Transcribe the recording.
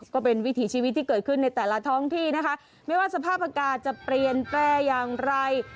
ก็เป็นวิถีชีวิตที่เกิดขึ้นในแต่ละท้องที่นะคะไม่ว่าสภาพอากาศจะเปลี่ยนแปลงอย่างไร